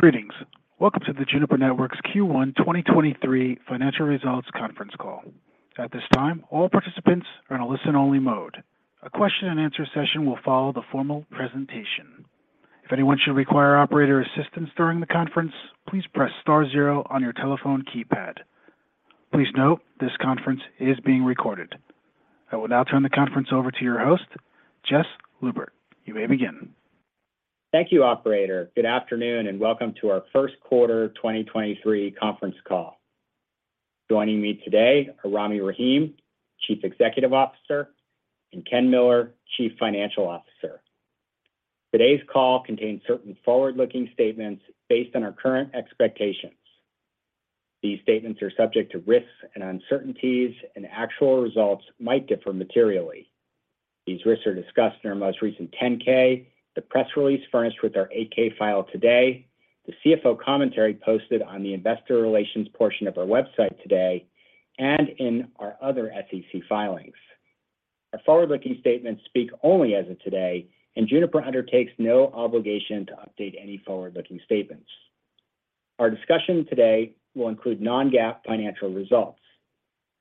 Greetings. Welcome to the Juniper Networks Q1 2023 Financial Results Conference Call. At this time, all participants are in a listen-only mode. A question and answer session will follow the formal presentation. If anyone should require operator assistance during the conference, please press star zero on your telephone keypad. Please note this conference is being recorded. I will now turn the conference over to your host, Jess Lubert. You may begin. Thank you, operator. Good afternoon, and welcome to our First Quarter 2023 Conference Call. Joining me today are Rami Rahim, Chief Executive Officer, and Ken Miller, Chief Financial Officer. Today's call contains certain forward-looking statements based on our current expectations. These statements are subject to risks and uncertainties. Actual results might differ materially. These risks are discussed in our most recent 10-K, the press release furnished with our 8-K file today, the CFO Commentary posted on the investor relations portion of our website today, and in our other SEC filings. Our forward-looking statements speak only as of today. Juniper undertakes no obligation to update any forward-looking statements. Our discussion today will include non-GAAP financial results.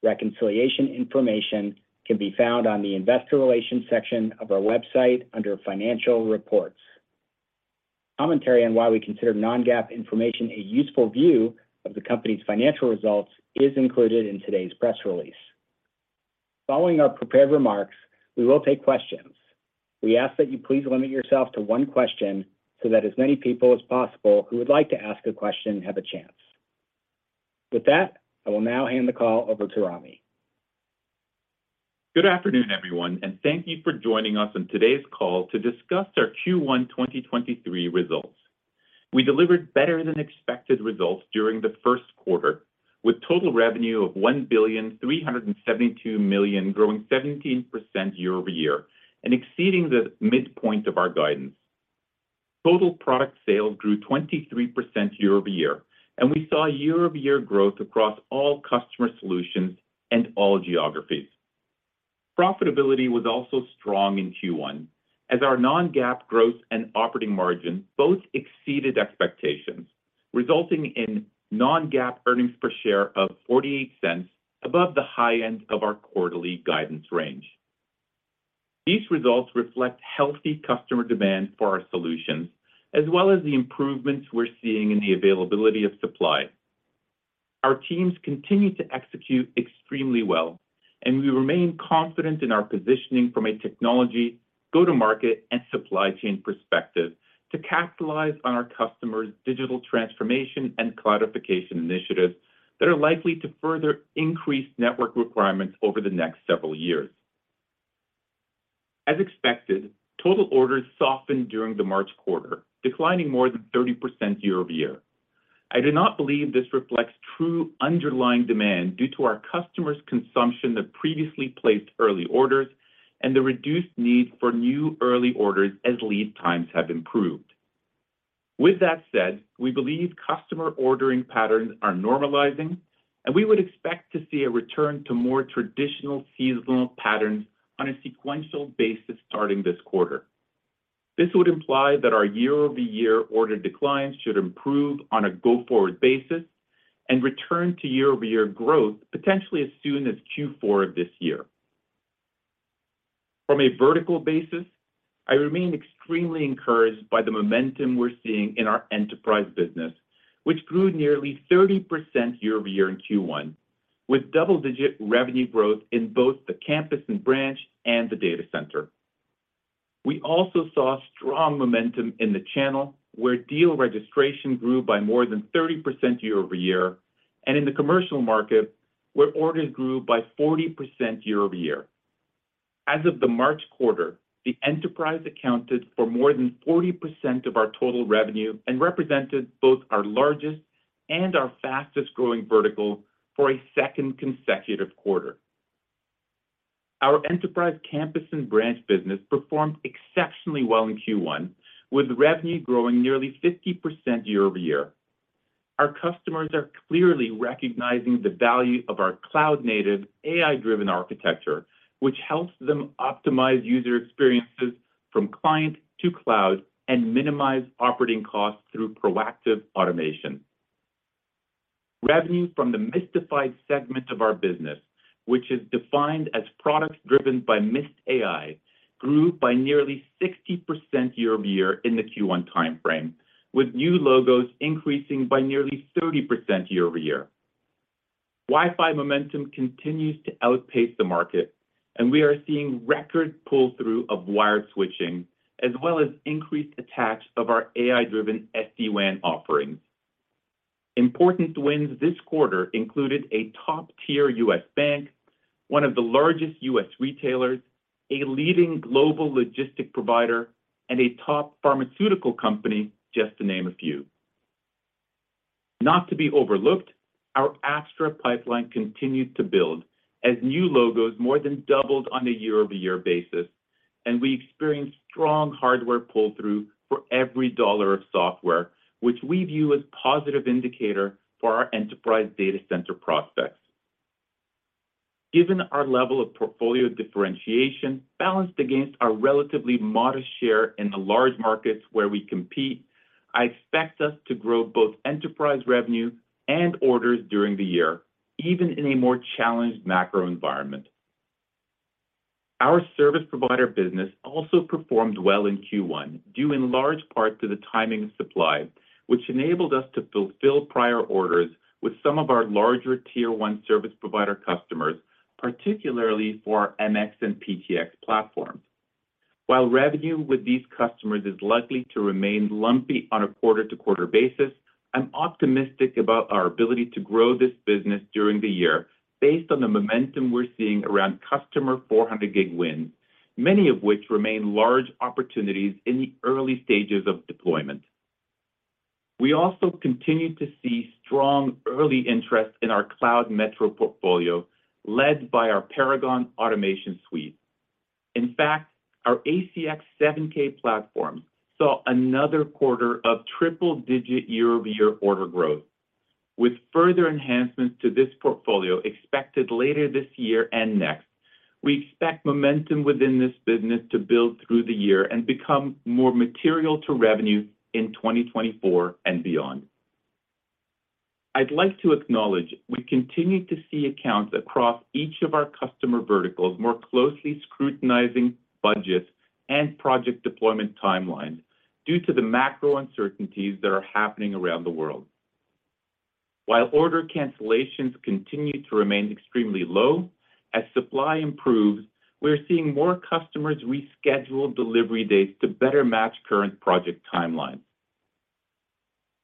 Reconciliation information can be found on the investor relations section of our website under financial reports. Commentary on why we consider non-GAAP information a useful view of the company's financial results is included in today's press release. Following our prepared remarks, we will take questions. We ask that you please limit yourself to one question so that as many people as possible who would like to ask a question have a chance. With that, I will now hand the call over to Rami. Good afternoon, everyone, and thank you for joining us on today's call to discuss our Q1 2023 results. We delivered better than expected results during the first quarter with total revenue of $1.372 billion, growing 17% year-over-year and exceeding the midpoint of our guidance. Total product sales grew 23% year-over-year. We saw year-over-year growth across all customer solutions and all geographies. Profitability was also strong in Q1 as our non-GAAP growth and operating margin both exceeded expectations, resulting in non-GAAP earnings per share of $0.48 above the high end of our quarterly guidance range. These results reflect healthy customer demand for our solutions, as well as the improvements we're seeing in the availability of supply. Our teams continue to execute extremely well. We remain confident in our positioning from a technology, go-to-market, and supply chain perspective to capitalize on our customers' digital transformation and cloudification initiatives that are likely to further increase network requirements over the next several years. As expected, total orders softened during the March quarter, declining more than 30% year-over-year. I do not believe this reflects true underlying demand due to our customers' consumption of previously placed early orders and the reduced need for new early orders as lead times have improved. With that said, we believe customer ordering patterns are normalizing, and we would expect to see a return to more traditional seasonal patterns on a sequential basis starting this quarter. This would imply that our year-over-year order declines should improve on a go-forward basis and return to year-over-year growth potentially as soon as Q4 of this year. From a vertical basis, I remain extremely encouraged by the momentum we're seeing in our Enterprise business, which grew nearly 30% year-over-year in Q1, with double-digit revenue growth in both the campus and branch and the data center. We also saw strong momentum in the channel where deal registration grew by more than 30% year-over-year and in the commercial market, where orders grew by 40% year-over-year. As of the March quarter, the Enterprise accounted for more than 40% of our total revenue and represented both our largest and our fastest-growing vertical for a second consecutive quarter. Our enterprise campus and branch business performed exceptionally well in Q1, with revenue growing nearly 50% year-over-year. Our customers are clearly recognizing the value of our cloud-native AI-driven architecture, which helps them optimize user experiences from client to cloud and minimize operating costs through proactive automation. Revenue from the Mistified segment of our business, which is defined as products driven by Mist AI, grew by nearly 60% year-over-year in the Q1 timeframe, with new logos increasing by nearly 30% year-over-year. Wi-Fi momentum continues to outpace the market, and we are seeing record pull-through of wired switching, as well as increased attach of our AI-driven SD-WAN offerings. Important wins this quarter included a top-tier U.S. bank, one of the largest U.S. retailers, a leading global logistic provider, and a top pharmaceutical company, just to name a few. Not to be overlooked, our Apstra pipeline continued to build as new logos more than doubled on a year-over-year basis, and we experienced strong hardware pull-through for every dollar of software, which we view as positive indicator for our enterprise data center prospects. Given our level of portfolio differentiation balanced against our relatively modest share in the large markets where we compete, I expect us to grow both enterprise revenue and orders during the year, even in a more challenged macro environment. Our service provider business also performed well in Q1 due in large part to the timing of supply, which enabled us to fulfill prior orders with some of our larger Tier 1 service provider customers, particularly for our MX and PTX platforms. While revenue with these customers is likely to remain lumpy on a quarter-to-quarter basis, I'm optimistic about our ability to grow this business during the year based on the momentum we're seeing around customer 400G wins, many of which remain large opportunities in the early stages of deployment. We also continue to see strong early interest in our Cloud Metro portfolio led by our Paragon automation suite. In fact, our ACX7K platform saw another quarter of triple-digit year-over-year order growth. With further enhancements to this portfolio expected later this year and next, we expect momentum within this business to build through the year and become more material to revenue in 2024 and beyond. I'd like to acknowledge we continue to see accounts across each of our customer verticals more closely scrutinizing budgets and project deployment timelines due to the macro uncertainties that are happening around the world. While order cancellations continue to remain extremely low, as supply improves, we're seeing more customers reschedule delivery dates to better match current project timelines.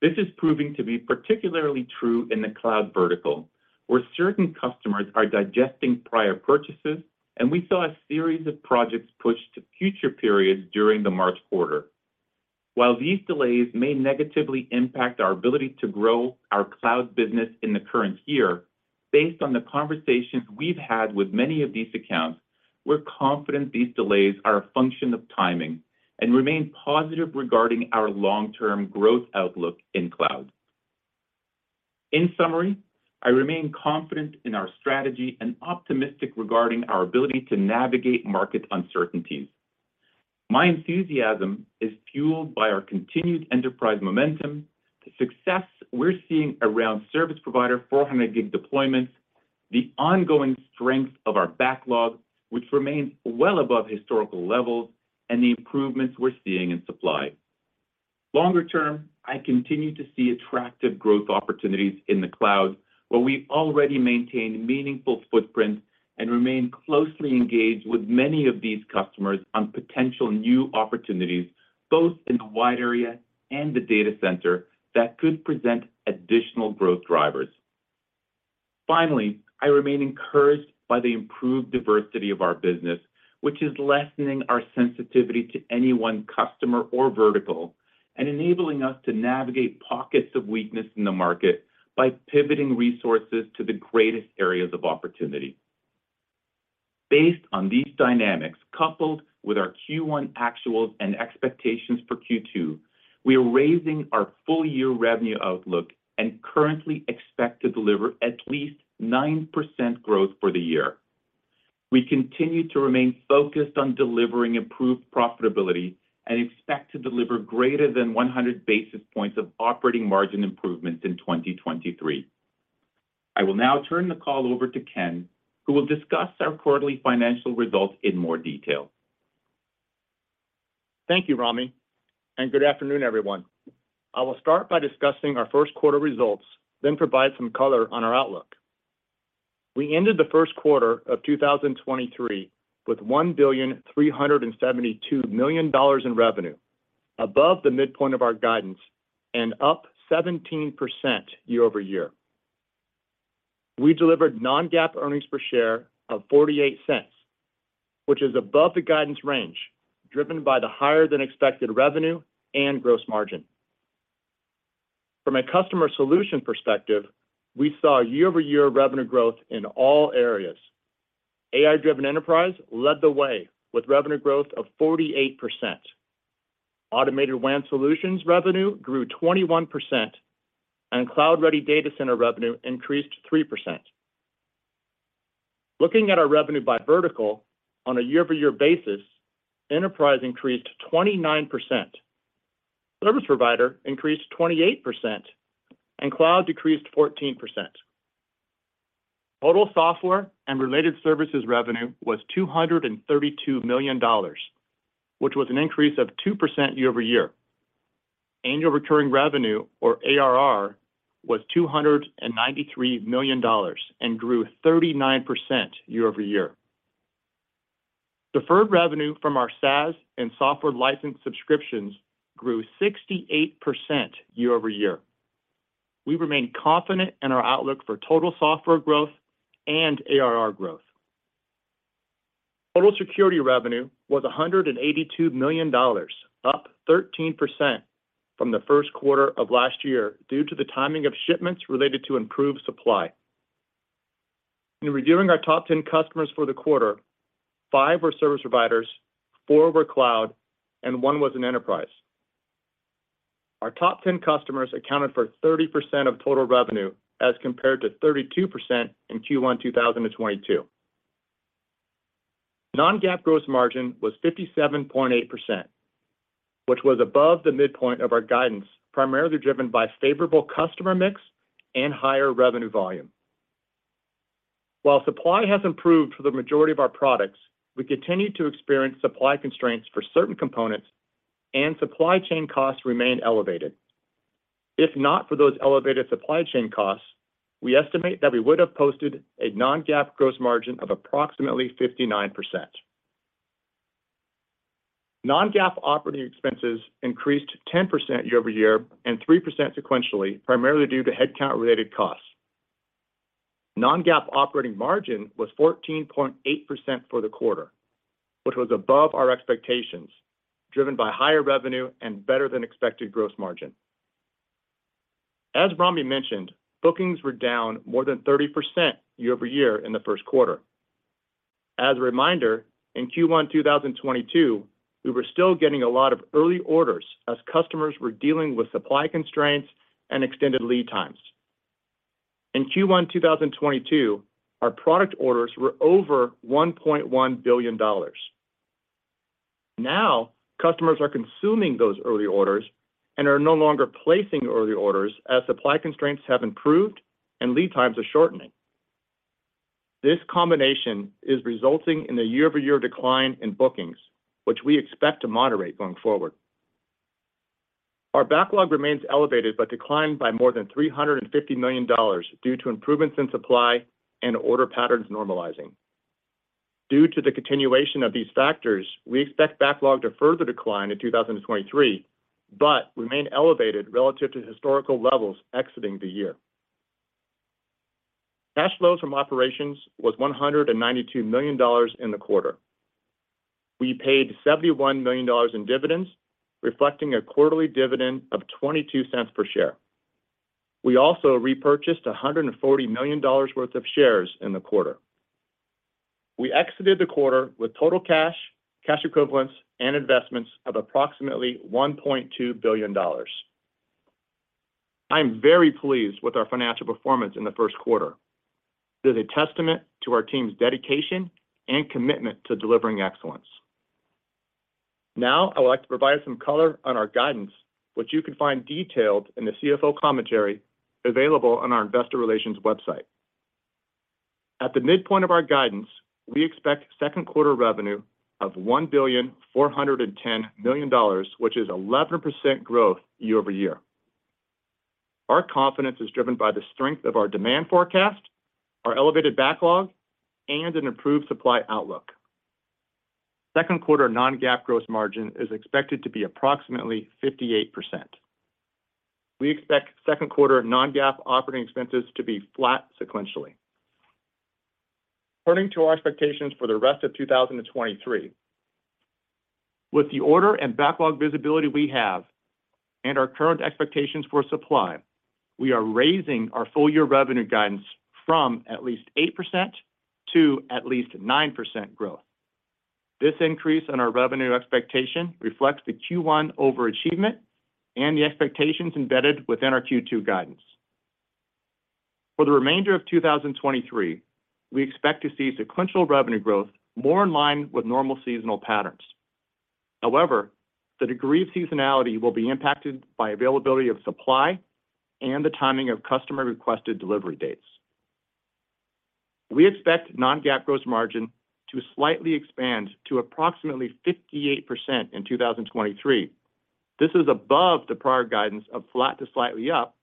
This is proving to be particularly true in the cloud vertical, where certain customers are digesting prior purchases, and we saw a series of projects pushed to future periods during the March quarter. While these delays may negatively impact our ability to grow our cloud business in the current year, based on the conversations we've had with many of these accounts, we're confident these delays are a function of timing and remain positive regarding our long-term growth outlook in cloud. In summary, I remain confident in our strategy and optimistic regarding our ability to navigate market uncertainties. My enthusiasm is fueled by our continued enterprise momentum, the success we're seeing around service provider 400G deployments, the ongoing strength of our backlog, which remains well above historical levels, and the improvements we're seeing in supply. Longer term, I continue to see attractive growth opportunities in the cloud, where we already maintain meaningful footprints and remain closely engaged with many of these customers on potential new opportunities, both in the wide area and the data center that could present additional growth drivers. I remain encouraged by the improved diversity of our business, which is lessening our sensitivity to any one customer or vertical and enabling us to navigate pockets of weakness in the market by pivoting resources to the greatest areas of opportunity. Based on these dynamics, coupled with our Q1 actuals and expectations for Q2, we are raising our full year revenue outlook and currently expect to deliver at least 9% growth for the year. We continue to remain focused on delivering improved profitability and expect to deliver greater than 100 basis points of operating margin improvements in 2023. I will now turn the call over to Ken, who will discuss our quarterly financial results in more detail. Thank you, Rami, and good afternoon, everyone. I will start by discussing our first quarter results, then provide some color on our outlook. We ended the first quarter of 2023 with $1.372 billion in revenue above the midpoint of our guidance and up 17% year-over-year. We delivered non-GAAP earnings per share of $0.48, which is above the guidance range, driven by the higher than expected revenue and gross margin. From a customer solution perspective, we saw year-over-year revenue growth in all areas. AI-Driven Enterprise led the way with revenue growth of 48%. Automated WAN Solutions revenue grew 21%, and Cloud-Ready Data Center revenue increased 3%. Looking at our revenue by vertical on a year-over-year basis, enterprise increased 29%. Service provider increased 28%, and cloud decreased 14%. Total software and related services revenue was $232 million, which was an increase of 2% year-over-year. Annual recurring revenue or ARR was $293 million and grew 39% year-over-year. Deferred revenue from our SaaS and software license subscriptions grew 68% year-over-year. We remain confident in our outlook for total software growth and ARR growth. Total security revenue was $182 million, up 13% from the first quarter of last year due to the timing of shipments related to improved supply. In reviewing our top 10 customers for the quarter, five were service providers, four were cloud, and one was an enterprise. Our top 10 customers accounted for 30% of total revenue as compared to 32% in Q1 2022. Non-GAAP gross margin was 57.8%, which was above the midpoint of our guidance, primarily driven by favorable customer mix and higher revenue volume. While supply has improved for the majority of our products, we continue to experience supply constraints for certain components and supply chain costs remain elevated. If not for those elevated supply chain costs, we estimate that we would have posted a non-GAAP gross margin of approximately 59%. Non-GAAP operating expenses increased 10% year-over-year and 3% sequentially, primarily due to headcount-related costs. Non-GAAP operating margin was 14.8% for the quarter, which was above our expectations, driven by higher revenue and better than expected gross margin. As Rami mentioned, bookings were down more than 30% year-over-year in the first quarter. As a reminder, in Q1 2022, we were still getting a lot of early orders as customers were dealing with supply constraints and extended lead times. In Q1 2022, our product orders were over $1.1 billion. Now, customers are consuming those early orders and are no longer placing early orders as supply constraints have improved and lead times are shortening. This combination is resulting in a year-over-year decline in bookings, which we expect to moderate going forward. Our backlog remains elevated but declined by more than $350 million due to improvements in supply and order patterns normalizing. Due to the continuation of these factors, we expect backlog to further decline in 2023, but remain elevated relative to historical levels exiting the year. Cash flows from operations was $192 million in the quarter. We paid $71 million in dividends, reflecting a quarterly dividend of $0.22 per share. We also repurchased $140 million worth of shares in the quarter. We exited the quarter with total cash equivalents, and investments of approximately $1.2 billion. I am very pleased with our financial performance in the first quarter. It is a testament to our team's dedication and commitment to delivering excellence. I would like to provide some color on our guidance, which you can find detailed in the CFO Commentary available on our investor relations website. At the midpoint of our guidance, we expect second quarter revenue of $1.41 billion, which is 11% growth year-over-year. Our confidence is driven by the strength of our demand forecast, our elevated backlog, and an improved supply outlook. Second quarter non-GAAP gross margin is expected to be approximately 58%. We expect second quarter non-GAAP operating expenses to be flat sequentially. Turning to our expectations for the rest of 2023. With the order and backlog visibility we have and our current expectations for supply, we are raising our full-year revenue guidance from at least 8% to at least 9% growth. This increase in our revenue expectation reflects the Q1 overachievement and the expectations embedded within our Q2 guidance. For the remainder of 2023, we expect to see sequential revenue growth more in line with normal seasonal patterns. However, the degree of seasonality will be impacted by availability of supply and the timing of customer-requested delivery dates. We expect non-GAAP gross margin to slightly expand to approximately 58% in 2023. This is above the prior guidance of flat to slightly up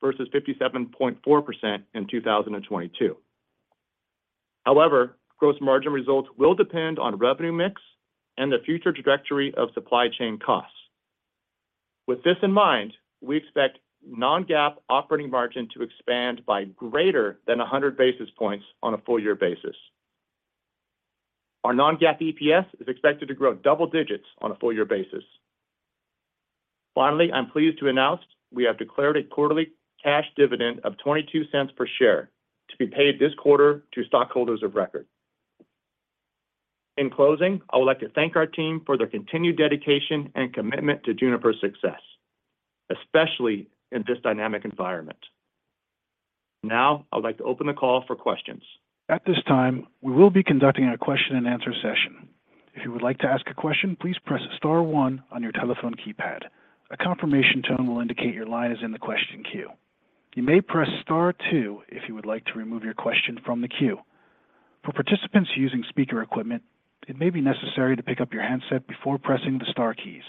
versus 57.4% in 2022. Gross margin results will depend on revenue mix and the future trajectory of supply chain costs. With this in mind, we expect non-GAAP operating margin to expand by greater than 100 basis points on a full-year basis. Our non-GAAP EPS is expected to grow double digits on a full-year basis. I'm pleased to announce we have declared a quarterly cash dividend of $0.22 per share to be paid this quarter to stockholders of record. In closing, I would like to thank our team for their continued dedication and commitment to Juniper's success, especially in this dynamic environment. I would like to open the call for questions. At this time, we will be conducting a question and answer session. If you would like to ask a question, please press star one on your telephone keypad. A confirmation tone will indicate your line is in the question queue. You may press star two if you would like to remove your question from the queue. For participants using speaker equipment, it may be necessary to pick up your handset before pressing the star keys.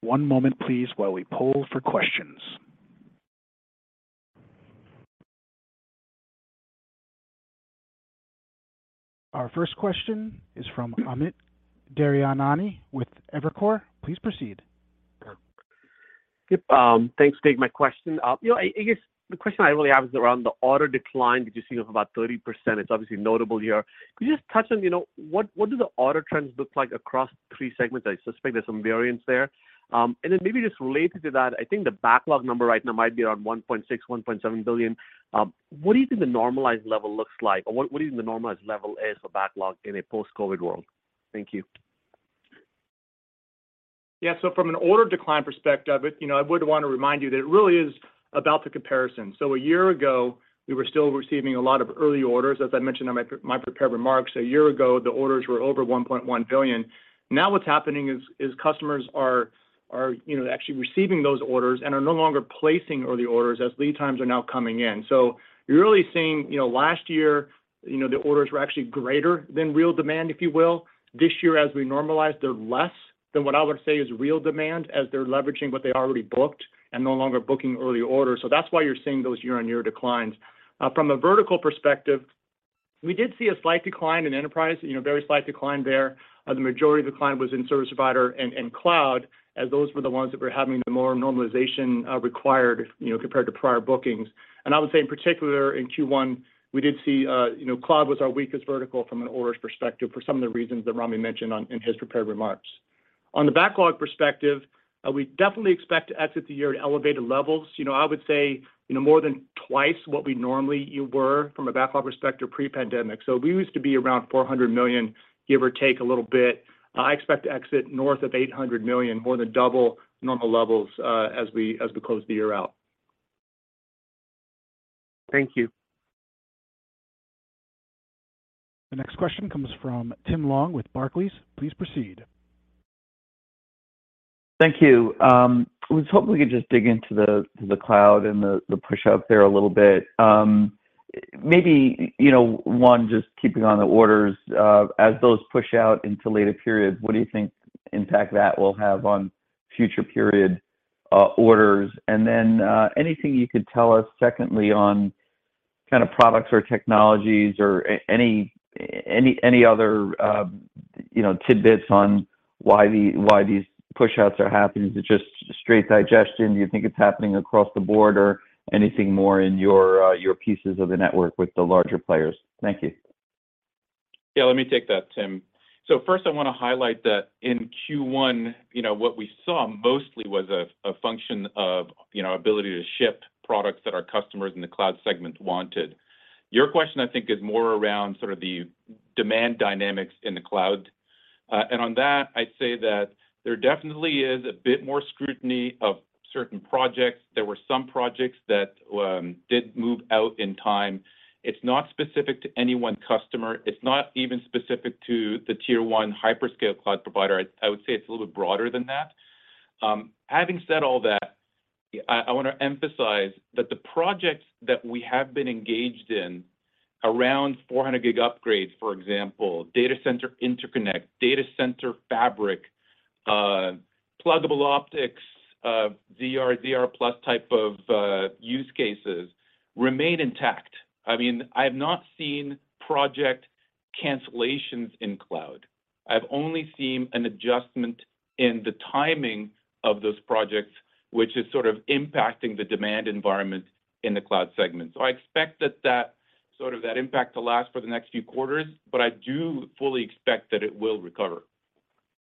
One moment please while we poll for questions. Our first question is from Amit Daryanani with Evercore. Please proceed. Yep. Thanks. Take my question. You know, I guess the question I really have is around the order decline that you're seeing of about 30%. It's obviously notable here. Could you just touch on, you know, what do the order trends look like across three segments? I suspect there's some variance there. Maybe just related to that, I think the backlog number right now might be around $1.6 billion to $1.7 billion. What do you think the normalized level looks like? Or what do you think the normalized level is for backlog in a post-COVID world? Thank you. Yeah. From an order decline perspective, you know, I would want to remind you that it really is about the comparison. A year ago, we were still receiving a lot of early orders. As I mentioned in my prepared remarks, a year ago, the orders were over $1.1 billion. Now what's happening is customers are, you know, actually receiving those orders and are no longer placing early orders as lead times are now coming in. You're really seeing, you know, last year, you know, the orders were actually greater than real demand, if you will. This year, as we normalize, they're less than what I would say is real demand as they're leveraging what they already booked and no longer booking early orders. That's why you're seeing those year-on-year declines. From a vertical perspective, we did see a slight decline in enterprise, you know, very slight decline there. The majority of decline was in service provider and cloud as those were the ones that were having the more normalization required, you know, compared to prior bookings. I would say in particular in Q1, we did see, you know, cloud was our weakest vertical from an orders perspective for some of the reasons that Rami mentioned in his prepared remarks. On the backlog perspective, we definitely expect to exit the year at elevated levels. You know, I would say, you know, more than twice what we normally were from a backlog perspective pre-pandemic. We used to be around $400 million, give or take a little bit. I expect to exit north of $800 million, more than double normal levels, as we close the year out. Thank you. The next question comes from Tim Long with Barclays. Please proceed. Thank you. was hoping we could just dig into the cloud and the pushout there a little bit. maybe, you know, one, just keeping on the orders, as those push out into later periods, what do you think impact that will have on future period, orders? Anything you could tell us secondly on kind of products or technologies or any other, you know, tidbits on why these pushouts are happening. Is it just straight digestion? Do you think it's happening across the board or anything more in your pieces of the network with the larger players? Thank you. Yeah, let me take that, Tim. First I wanna highlight that in Q1, you know, what we saw mostly was a function of, you know, ability to ship products that our customers in the cloud segment wanted. Your question, I think, is more around sort of the demand dynamics in the cloud. On that, I'd say that there definitely is a bit more scrutiny of certain projects. There were some projects that did move out in time. It's not specific to any one customer. It's not even specific to the Tier 1 hyperscale cloud provider. I would say it's a little bit broader than that. Having said all that, I wanna emphasize that the projects that we have been engaged in, around 400G upgrades, for example, data center interconnect, data center fabric, pluggable optics, ZR+ type of use cases remain intact. I mean, I have not seen project cancellations in cloud. I've only seen an adjustment in the timing of those projects, which is sort of impacting the demand environment in the cloud segment. I expect that sort of that impact to last for the next few quarters. I do fully expect that it will recover.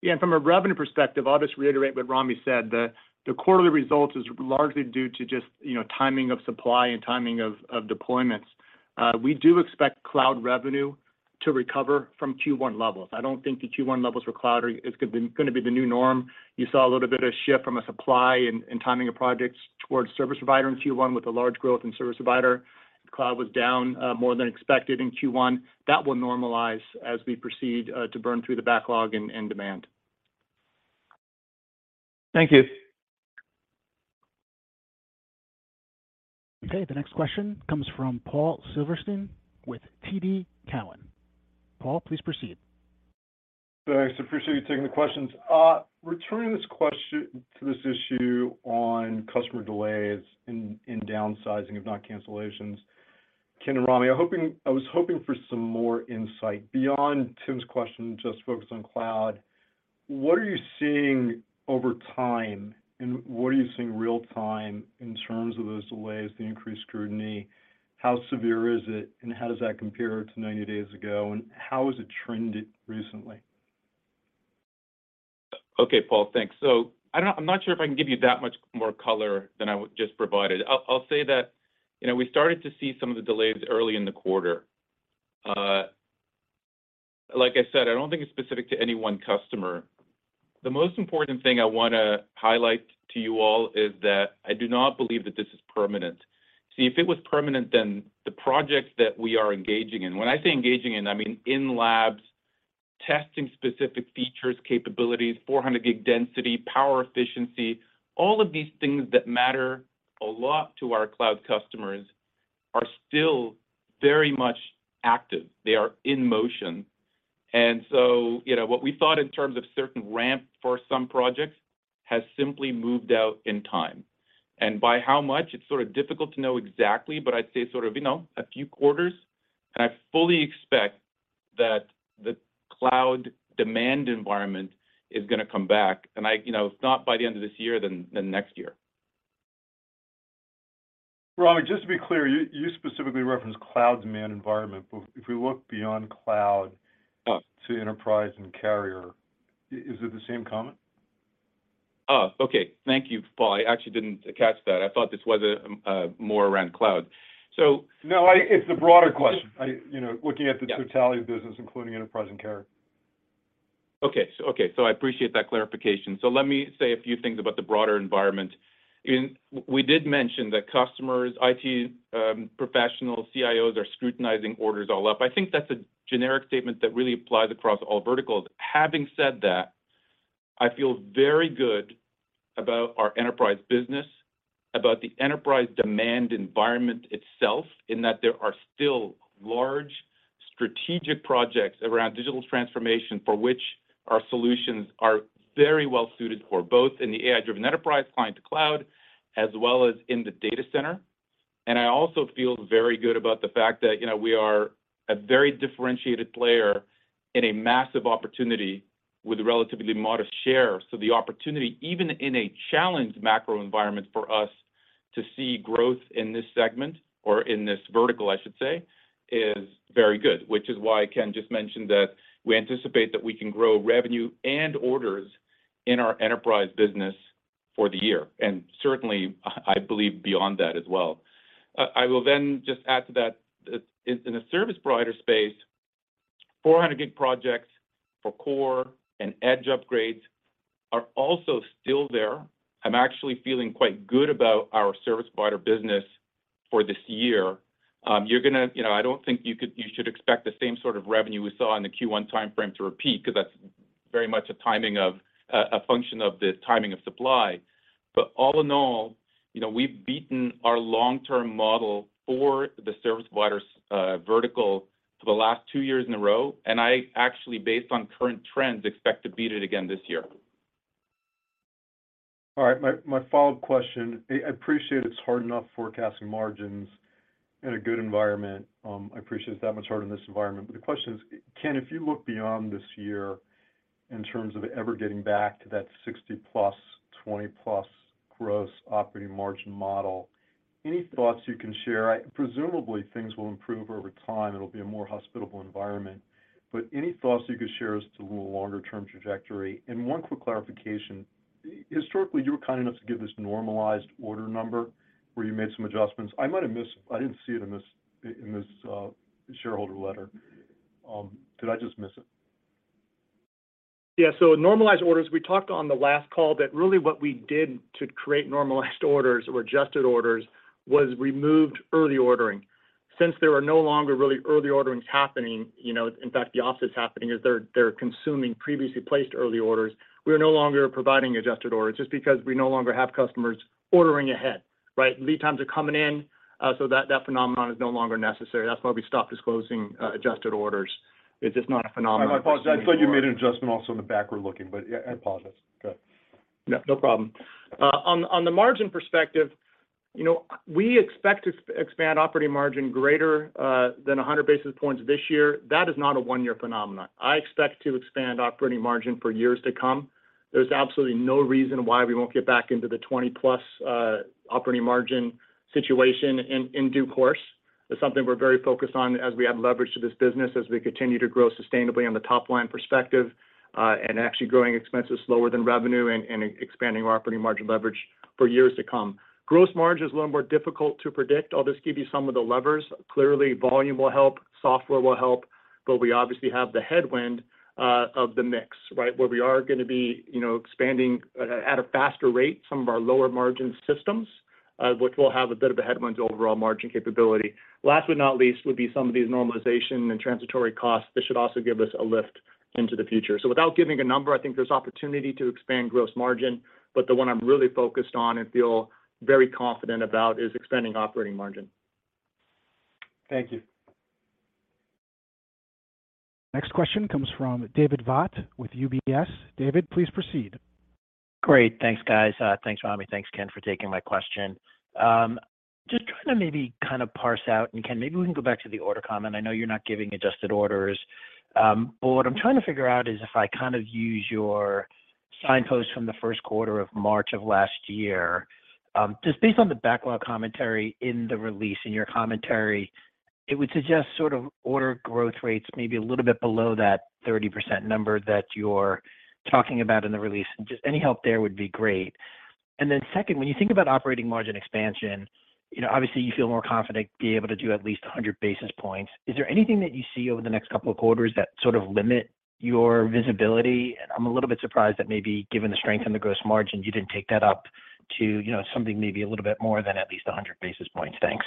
Yeah, from a revenue perspective, I'll just reiterate what Rami said. The quarterly results is largely due to just, you know, timing of supply and timing of deployments. We do expect Cloud revenue to recover from Q1 levels. I don't think the Q1 levels for Cloud is gonna be the new norm. You saw a little bit of shift from a supply and timing of projects towards service provider in Q1 with a large growth in service provider. Cloud was down more than expected in Q1. That will normalize as we proceed to burn through the backlog and demand. Thank you. Okay. The next question comes from Paul Silverstein with TD Cowen. Paul, please proceed. Thanks. Appreciate you taking the questions. returning to this issue on customer delays in downsizing, if not cancellations, Ken and Rami, I was hoping for some more insight. Beyond Tim's question just focused on cloud, what are you seeing over time, and what are you seeing real time in terms of those delays, the increased scrutiny? How severe is it, and how does that compare to 90 days ago, and how has it trended recently? Okay, Paul. Thanks. I'm not sure if I can give you that much more color than I just provided. I'll say that, you know, we started to see some of the delays early in the quarter. Like I said, I don't think it's specific to any one customer. The most important thing I wanna highlight to you all is that I do not believe that this is permanent. See, if it was permanent, then the projects that we are engaging in, when I say engaging in, I mean in labs, testing specific features, capabilities, 400G density, power efficiency, all of these things that matter a lot to our cloud customers are still very much active. They are in motion. You know, what we thought in terms of certain ramp for some projects has simply moved out in time. By how much, it's sort of difficult to know exactly, but I'd say sort of, you know, a few quarters. I fully expect that the cloud demand environment is gonna come back. I, you know, if not by the end of this year, then next year. Rami, just to be clear, you specifically referenced cloud demand environment. If we look beyond cloud. Yeah To enterprise and carrier, is it the same comment? Okay. Thank you, Paul. I actually didn't catch that. I thought this was more around cloud. No, it's the broader question. You know, looking at the. Yeah Totality of business, including enterprise and carrier. I appreciate that clarification. Let me say a few things about the broader environment. We did mention that customers, IT, professionals, CIOs are scrutinizing orders all up. I think that's a generic statement that really applies across all verticals. Having said that, I feel very good about our enterprise business, about the enterprise demand environment itself, in that there are still large strategic projects around digital transformation for which our solutions are very well suited for, both in the AI-Driven Enterprise, client to cloud, as well as in the data center. I also feel very good about the fact that, you know, we are a very differentiated player in a massive opportunity with relatively modest share. The opportunity, even in a challenged macro environment for us to see growth in this segment or in this vertical, I should say, is very good, which is why Ken just mentioned that we anticipate that we can grow revenue and orders in our enterprise business for the year. Certainly, I believe beyond that as well. I will just add to that in the service provider space, 400G projects for core and edge upgrades are also still there. I'm actually feeling quite good about our service provider business for this year. You know, I don't think you should expect the same sort of revenue we saw in the Q1 timeframe to repeat, 'cause that's very much a function of the timing of supply. All in all, you know, we've beaten our long-term model for the service providers, vertical for the last two years in a row. I actually, based on current trends, expect to beat it again this year. All right. My follow-up question. I appreciate it's hard enough forecasting margins in a good environment. I appreciate it's that much harder in this environment. The question is, Ken, if you look beyond this year in terms of ever getting back to that 60+, 20+ gross operating margin model, any thoughts you can share? Presumably, things will improve over time, it'll be a more hospitable environment. Any thoughts you could share as to a little longer-term trajectory? One quick clarification. Historically, you were kind enough to give this normalized order number where you made some adjustments. I might have missed. I didn't see it in this, in this shareholder letter. Did I just miss it? Normalized orders, we talked on the last call that really what we did to create normalized orders or adjusted orders was removed early ordering. Since there are no longer really early orderings happening, you know, in fact, the opposite's happening, is they're consuming previously placed early orders. We are no longer providing adjusted orders just because we no longer have customers ordering ahead, right? Lead times are coming in, that phenomenon is no longer necessary. That's why we stopped disclosing adjusted orders. It's just not a phenomenon. I apologize. I thought you made an adjustment also in the backward looking. Yeah, I apologize. Go ahead. No, no problem. on the margin perspective, you know, we expect to expand operating margin greater than 100 basis points this year. That is not a one-year phenomenon. I expect to expand operating margin for years to come. There's absolutely no reason why we won't get back into the 20-plus operating margin situation in due course. It's something we're very focused on as we add leverage to this business, as we continue to grow sustainably on the top line perspective, and actually growing expenses slower than revenue and expanding our operating margin leverage for years to come. Gross margin is a little more difficult to predict. I'll just give you some of the levers. Clearly, volume will help, software will help, but we obviously have the headwind of the mix, right? Where we are gonna be, you know, expanding at a faster rate some of our lower margin systems, which will have a bit of a headwind to overall margin capability. Last but not least, would be some of these normalization and transitory costs. This should also give us a lift into the future. Without giving a number, I think there's opportunity to expand gross margin, but the one I'm really focused on and feel very confident about is expanding operating margin. Thank you. Next question comes from David Vogt with UBS. David, please proceed. Great. Thanks, guys. Thanks, Rami. Thanks, Ken, for taking my question. Just trying to maybe kind of parse out, and Ken, maybe we can go back to the order comment. I know you're not giving adjusted orders. What I'm trying to figure out is if I kind of use your signpost from the first quarter of March of last year, just based on the backlog commentary in the release, in your commentary, it would suggest sort of order growth rates maybe a little bit below that 30% number that you're talking about in the release. Just any help there would be great. Second, when you think about operating margin expansion, you know, obviously you feel more confident being able to do at least 100 basis points. Is there anything that you see over the next couple of quarters that sort of limit your visibility? I'm a little bit surprised that maybe given the strength in the gross margin, you didn't take that up to, you know, something maybe a little bit more than at least 100 basis points. Thanks.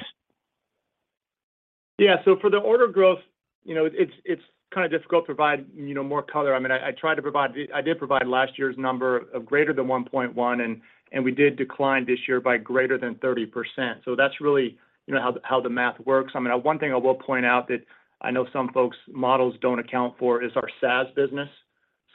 Yeah. For the order growth, you know, it's kind of difficult to provide, you know, more color. I mean, I did provide last year's number of greater than 1.1, and we did decline this year by greater than 30%. That's really, you know, how the math works. I mean, one thing I will point out that I know some folks' models don't account for is our SaaS business.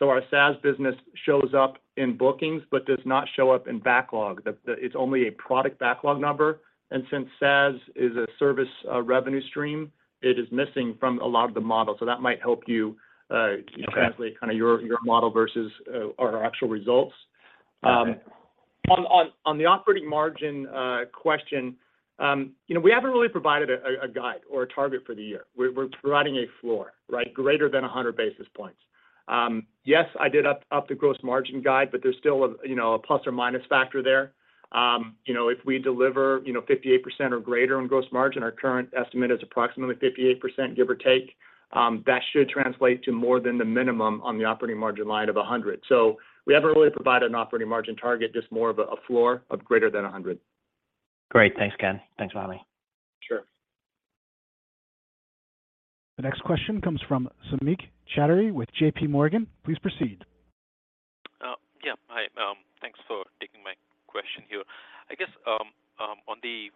Our SaaS business shows up in bookings, but does not show up in backlog. It's only a product backlog number. Since SaaS is a service revenue stream, it is missing from a lot of the models. That might help you. Okay Translate kind of your model versus our actual results. On the operating margin question, you know, we haven't really provided a guide or a target for the year. We're providing a floor, right? Greater than 100 basis points. Yes, I did up the gross margin guide, but there's still a, you know, a plus or minus factor there. You know, if we deliver, you know, 58% or greater on gross margin, our current estimate is approximately 58%, give or take, that should translate to more than the minimum on the operating margin line of 100. We haven't really provided an operating margin target, just more of a floor of greater than 100. Great. Thanks, Ken. Thanks for having me. Sure. The next question comes from Samik Chatterjee with JPMorgan. Please proceed. Yeah. Hi, thanks for taking my question here. I guess, on the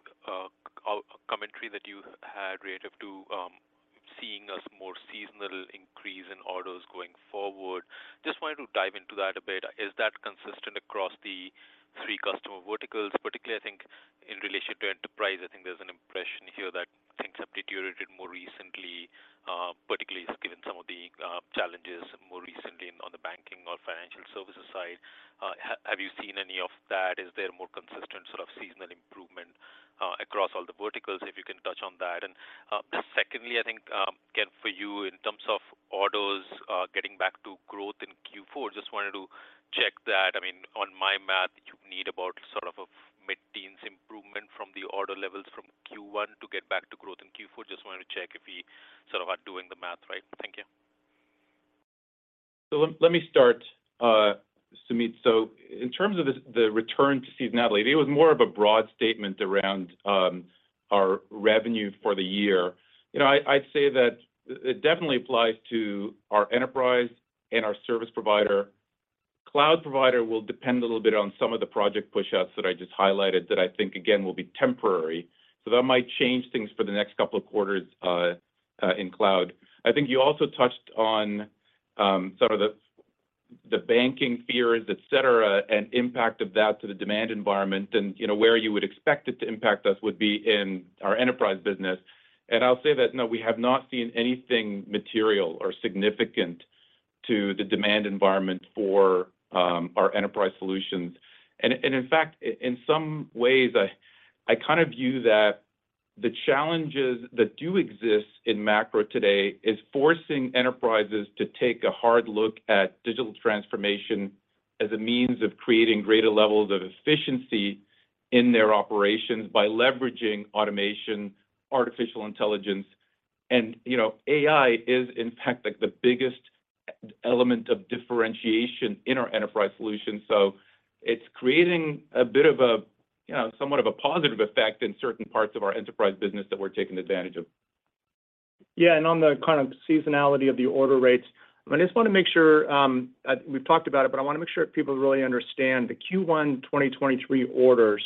commentary that you had relative to seeing a more seasonal increase in orders going forward, just wanted to dive into that a bit. Is that consistent across the three customer verticals? Particularly, I think, in relation to enterprise, I think there's an impression here that things have deteriorated more recently, particularly just given some of the challenges more recently on the banking or financial services side. Have you seen any of that? Is there more consistent sort of seasonal improvement across all the verticals? If you can touch on that. Secondly, I think, Ken, for you, in terms of orders, getting back to growth in Q4, just wanted to check that. I mean, on my math, you need about sort of a mid-teens improvement from the order levels from Q1 to get back to growth in Q4. Just wanted to check if we sort of are doing the math right? Thank you. Let me start, Samik. In terms of the return to seasonality, it was more of a broad statement around our revenue for the year. You know, I'd say that it definitely applies to our enterprise and our service provider. Cloud provider will depend a little bit on some of the project pushouts that I just highlighted that I think, again, will be temporary. That might change things for the next couple of quarters in cloud. I think you also touched on sort of the banking fears, et cetera, and impact of that to the demand environment and, you know, where you would expect it to impact us would be in our enterprise business. I'll say that, no, we have not seen anything material or significant to the demand environment for our enterprise solutions. In fact, in some ways, I kind of view that the challenges that do exist in macro today is forcing enterprises to take a hard look at digital transformation as a means of creating greater levels of efficiency in their operations by leveraging automation, artificial intelligence. You know, AI is, in fact, like, the biggest element of differentiation in our enterprise solution. It's creating a bit of a, you know, somewhat of a positive effect in certain parts of our enterprise business that we're taking advantage of. On the kind of seasonality of the order rates, I just want to make sure we've talked about it, but I want to make sure people really understand. The Q1 2023 orders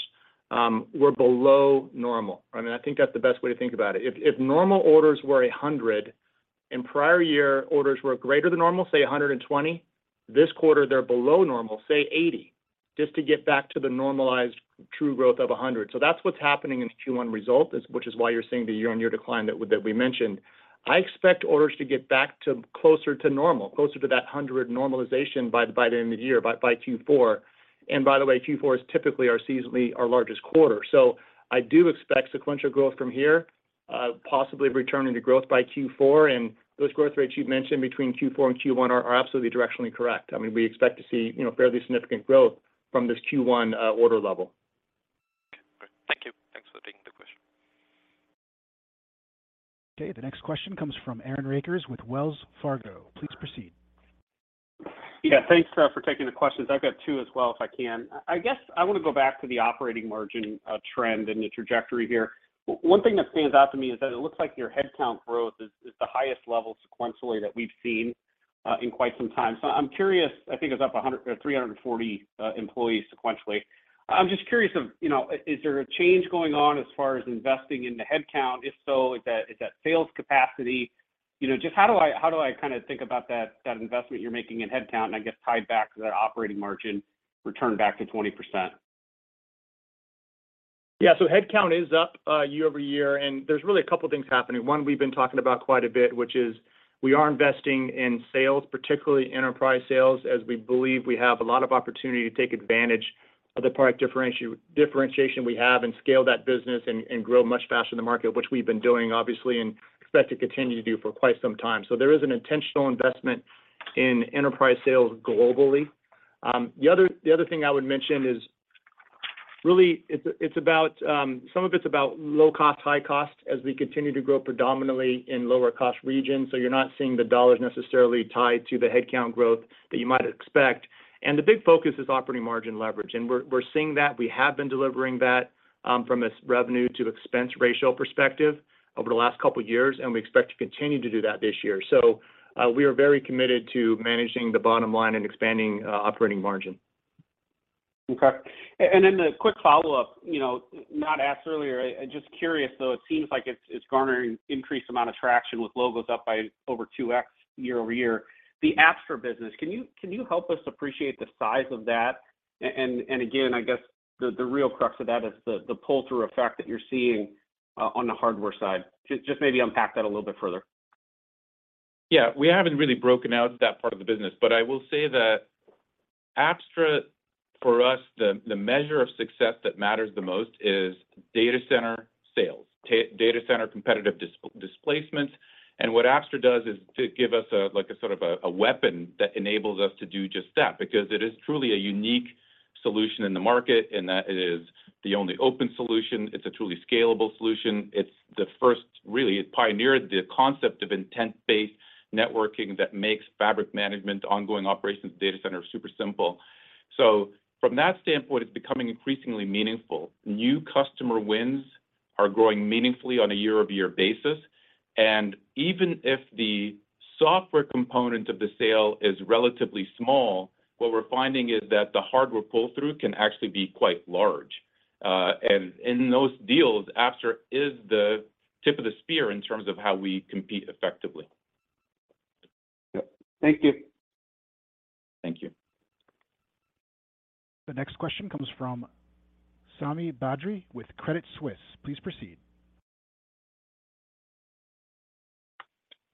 were below normal. I mean, I think that's the best way to think about it. If normal orders were 100, in prior year, orders were greater than normal, say 120, this quarter they're below normal, say 80, just to get back to the normalized true growth of 100. That's what's happening in Q1 result, which is why you're seeing the year-over-year decline that we mentioned. I expect orders to get back to closer to normal, closer to that 100 normalization by the end of the year, by Q4. By the way, Q4 is typically our seasonally our largest quarter. I do expect sequential growth from here, possibly returning to growth by Q4. Those growth rates you've mentioned between Q4 and Q1 are absolutely directionally correct. I mean, we expect to see, you know, fairly significant growth from this Q1 order level. Great. Thank you. Thanks for taking the question. Okay. The next question comes from Aaron Rakers with Wells Fargo. Please proceed. Thanks for taking the questions. I've got two as well, if I can. I guess I want to go back to the operating margin trend and the trajectory here. One thing that stands out to me is that it looks like your headcount growth is the highest level sequentially that we've seen in quite some time. I'm curious, I think it was up 340 employees sequentially. I'm just curious of, you know, is there a change going on as far as investing in the headcount? If so, is that sales capacity? You know, just how do I kind of think about that investment you're making in headcount and I guess tied back to that operating margin return back to 20%? Yeah. headcount is up, year-over-year, and there's really a couple things happening. One, we've been talking about quite a bit, which is we are investing in sales, particularly enterprise sales, as we believe we have a lot of opportunity to take advantage of the product differentiation we have and scale that business and grow much faster than the market, which we've been doing, obviously, and expect to continue to do for quite some time. There is an intentional investment in enterprise sales globally. The other thing I would mention is really it's about some of it's about low cost, high cost as we continue to grow predominantly in lower cost regions. You're not seeing the dollars necessarily tied to the headcount growth that you might expect. The big focus is operating margin leverage, and we're seeing that. We have been delivering that from a revenue to expense ratio perspective over the last couple years, and we expect to continue to do that this year. We are very committed to managing the bottom line and expanding operating margin. Okay. Then a quick follow-up, you know, not asked earlier. I'm just curious, though. It seems like it's garnering increased amount of traction with logos up by over 2x year-over-year. The Apstra business, can you help us appreciate the size of that? Again, I guess the real crux of that is the pull-through effect that you're seeing on the hardware side. Just maybe unpack that a little bit further. Yeah, we haven't really broken out that part of the business. I will say that Apstra, for us, the measure of success that matters the most is data center sales, data center competitive displacement. What Apstra does is to give us a, like a sort of a weapon that enables us to do just that, because it is truly a unique solution in the market, in that it is the only open solution. It's a truly scalable solution. It's the first. Really, it pioneered the concept of intent-based networking that makes fabric management, ongoing operations data center super simple. From that standpoint, it's becoming increasingly meaningful. New customer wins are growing meaningfully on a year-over-year basis. Even if the software component of the sale is relatively small, what we're finding is that the hardware pull-through can actually be quite large. In those deals, Apstra is the tip of the spear in terms of how we compete effectively. Yep. Thank you. Thank you. The next question comes from Sami Badri with Credit Suisse. Please proceed.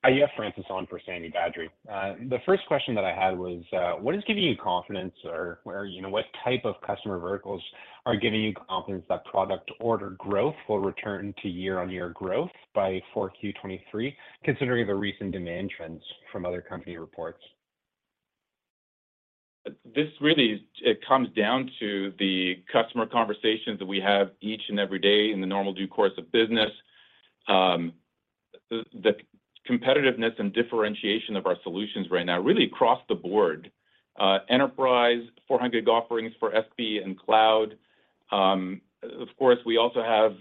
I have Francis on for Sami Badri. The first question that I had was, what is giving you confidence or where, you know, what type of customer verticals are giving you confidence that product order growth will return to year-on-year growth by 4Q 2023, considering the recent demand trends from other company reports? This really, it comes down to the customer conversations that we have each and every day in the normal due course of business. The competitiveness and differentiation of our solutions right now, really across the board, enterprise, 400 offerings for SP and cloud. Of course, we also have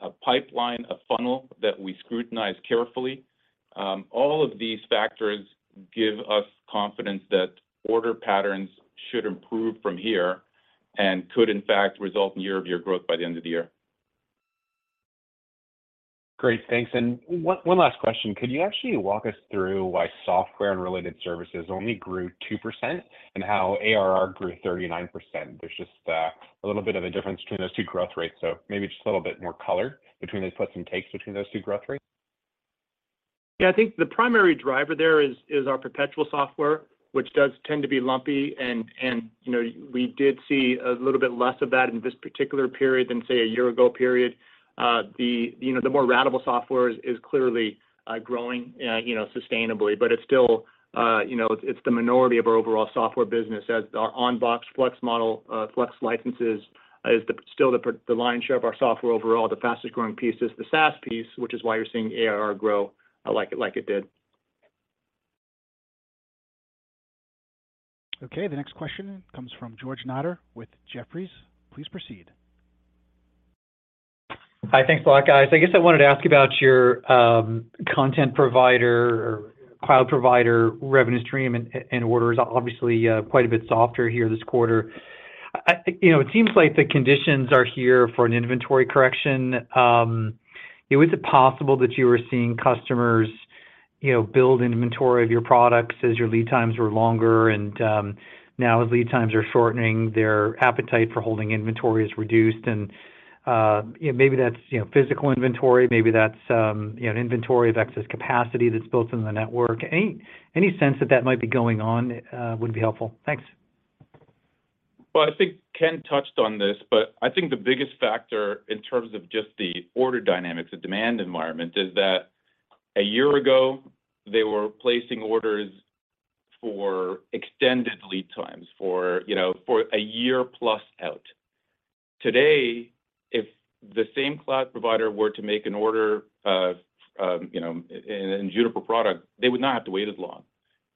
a pipeline, a funnel that we scrutinize carefully. All of these factors give us confidence that order patterns should improve from here and could in fact result in year-over-year growth by the end of the year. Great. Thanks. One last question. Could you actually walk us through why software and related services only grew 2% and how ARR grew 39%? There's just a little bit of a difference between those two growth rates, maybe just a little bit more color between those puts and takes between those two growth rates. Yeah. I think the primary driver there is our perpetual software, which does tend to be lumpy and, you know, we did see a little bit less of that in this particular period than, say, a year ago period. The, you know, the more ratable software is clearly growing, you know, sustainably, but it's still, you know, it's the minority of our overall software business as our on-box Flex licenses is still the lion's share of our software overall. The fastest growing piece is the SaaS piece, which is why you're seeing ARR grow like it did. The next question comes from George Notter with Jefferies. Please proceed. Hi. Thanks a lot, guys. I guess I wanted to ask about your, content provider or cloud provider revenue stream and orders, obviously, quite a bit softer here this quarter. I, you know, it seems like the conditions are here for an inventory correction. You know, is it possible that you were seeing customers, you know, build inventory of your products as your lead times were longer, and, now as lead times are shortening, their appetite for holding inventory is reduced? You know, maybe that's, you know, physical inventory, maybe that's, you know, inventory of excess capacity that's built into the network. Any, any sense that that might be going on, would be helpful. Thanks. I think Ken touched on this, but I think the biggest factor in terms of just the order dynamics, the demand environment, is that a year ago, they were placing orders for extended lead times for, you know, for a year plus out. Today, if the same cloud provider were to make an order of, you know, in Juniper product, they would not have to wait as long.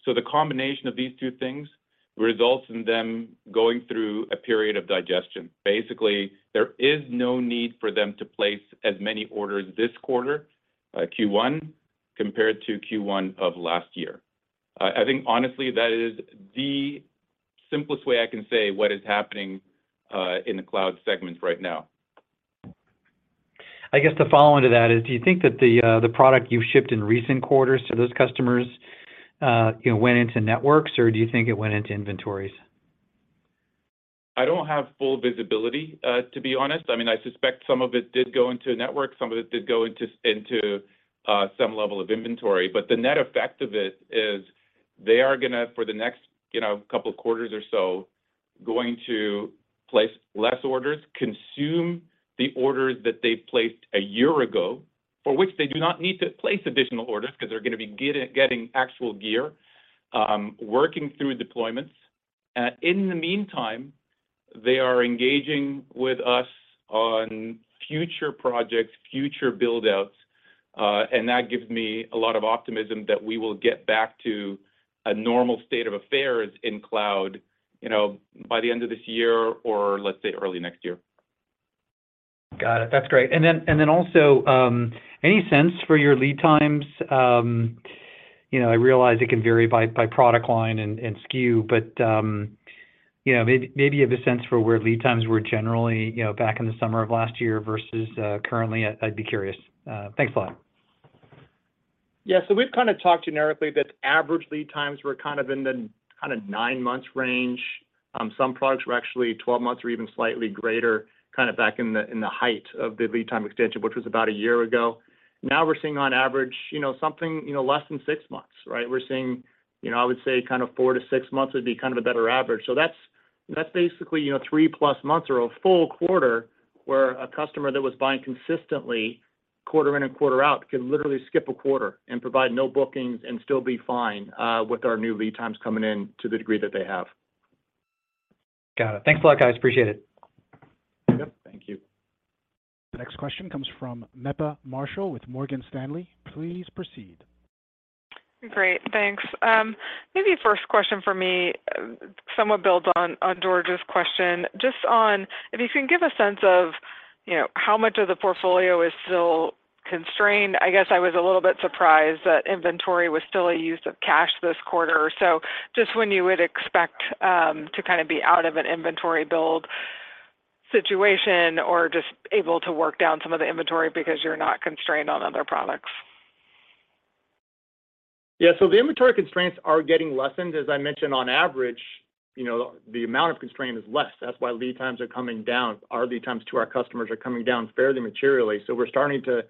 The combination of these two things results in them going through a period of digestion. Basically, there is no need for them to place as many orders this quarter, Q1, compared to Q1 of last year. I think honestly, that is the simplest way I can say what is happening in the cloud segment right now. I guess the follow-on to that is, do you think that the product you've shipped in recent quarters to those customers, you know, went into networks, or do you think it went into inventories? I don't have full visibility to be honest. I mean, I suspect some of it did go into network. Some of it did go into some level of inventory. The net effect of it is they are gonna for the next, you know, couple of quarters or so, going to place less orders, consume the orders that they placed a year ago, for which they do not need to place additional orders because they're going to be getting actual gear, working through deployments. In the meantime, they are engaging with us on future projects, future build-outs, and that gives me a lot of optimism that we will get back to a normal state of affairs in cloud, you know, by the end of this year or let's say early next year. Got it. That's great. Also, any sense for your lead times? You know, I realize it can vary by product line and SKU, but, you know, maybe you have a sense for where lead times were generally, you know, back in the summer of last year versus currently. I'd be curious. Thanks a lot. Yeah. We've kinda talked generically that average lead times were kind of in the nine month range. Some products were actually 12 months or even slightly greater, back in the height of the lead time extension, which was about a year ago. We're seeing on average, you know, something, you know, less than six months. We're seeing, you know, I would say kind of four to six months would be kind of a better average. That's, that's basically, you know, three plus months or a full quarter where a customer that was buying consistently quarter in and quarter out could literally skip a quarter and provide no bookings and still be fine with our new lead times coming in to the degree that they have. Got it. Thanks a lot, guys. Appreciate it. Yep, thank you. The next question comes from Meta Marshall with Morgan Stanley. Please proceed. Great. Thanks. Maybe first question for me somewhat builds on George's question. Just on if you can give a sense of how much of the portfolio is still constrained. I guess I was a little bit surprised that inventory was still a use of cash this quarter. Just when you would expect to kind of be out of an inventory build situation or just able to work down some of the inventory because you're not constrained on other products. Yeah. The inventory constraints are getting lessened. As I mentioned, on average, you know, the amount of constraint is less. That's why lead times are coming down. Our lead times to our customers are coming down fairly materially. We're starting to